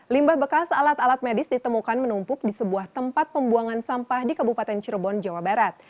limbah bekas alat alat medis ditemukan menumpuk di sebuah tempat pembuangan sampah di kabupaten cirebon jawa barat